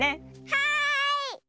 はい！